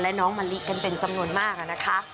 และน้องมะลิกันเป็นจำนวนมากนะคะ